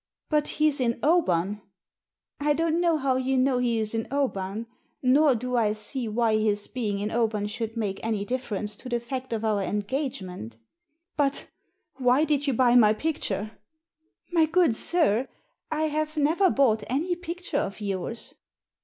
But he's in Oban." "I don't know how you know he is in Oban. Nor do I see why his being in Oban should make any difference to the fact of our engagement" "But — ^why did you buy my picture?" "My good sir, I have never bought any picture of yours."